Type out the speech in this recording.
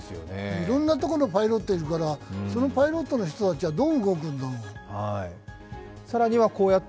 いろんなところのパイロットいるから、そのパイロットの人たちはどう動くんだろう。